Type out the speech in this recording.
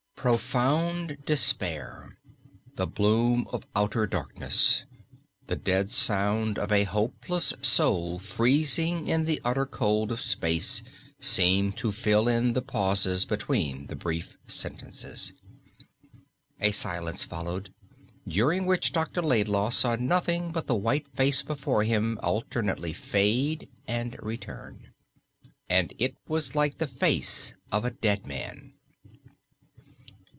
Profound despair, the bloom of outer darkness, the dead sound of a hopeless soul freezing in the utter cold of space seemed to fill in the pauses between the brief sentences. A silence followed, during which Dr. Laidlaw saw nothing but the white face before him alternately fade and return. And it was like the face of a dead man.